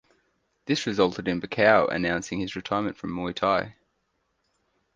This resulted in Buakaw announcing his retirement from Muay Thai.